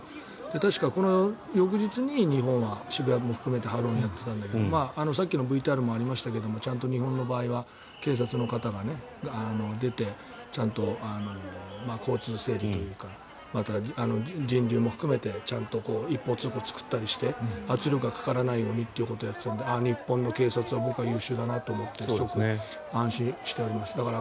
確かこの翌日に日本は渋谷も含めてハロウィーンをやっていたんだけどさっきのＶＴＲもありましたがちゃんと日本の場合は警察の方が出てちゃんと交通整理というか人流も含めてちゃんと一方通行を作ったりして圧力がかからないようにということをやっていたんですが日本の警察は僕は優秀だなと思ってすごく安心しております。